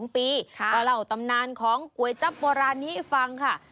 ๒ปีก็เล่าตำนานของก๋วยจับโบราณนี้ให้ฟังค่ะ